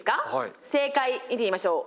正解見てみましょう。